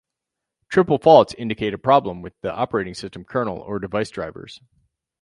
Triple faults indicate a problem with the operating system kernel or device drivers.